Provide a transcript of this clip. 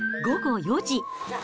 午後４時。